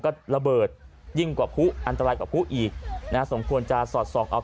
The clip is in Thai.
ก็ระเบิดยิ่งกว่าผู้อันตรายกว่าผู้อีกนะสมควรจะสอดส่องเอา